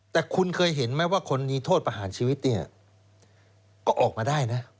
แต่คุณเคยเห็นไหมว่าคนมีโทษประหารชีวิตเนี่ยก็ออกมาได้นะ